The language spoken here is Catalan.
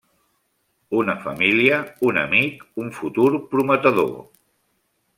Una família, un amic, un futur prometedor.